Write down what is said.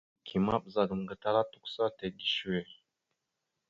Neke ma ɓəzagaam gatala tʉkəsa tige səwe.